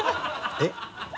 えっ？